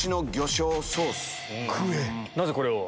なぜこれを？